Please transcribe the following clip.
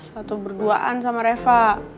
satu berduaan sama reva